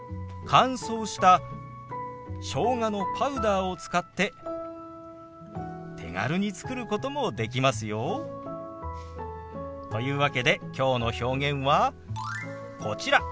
乾燥したしょうがのパウダーを使って手軽に作ることもできますよ。というわけできょうの表現はこちら。